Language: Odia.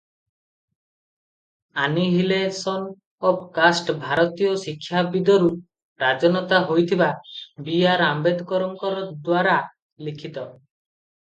ଆନିହିଲେସନ ଅଫ କାଷ୍ଟ ଭାରତୀୟ ଶିକ୍ଷାବିଦରୁ ରାଜନେତା ହୋଇଥିବା ବି. ଆର. ଆମ୍ବେଦକରଙ୍କଦ୍ୱାରା ଲିଖିତ ।